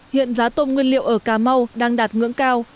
hiện giá tôm nguyên liệu ở cà mau đang đạt ngưỡng cao